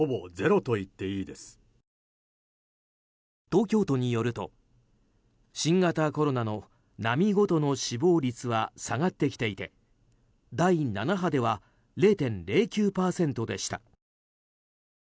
東京都によると新型コロナの波ごとの死亡率は下がってきていて第７波では０．０９％でした。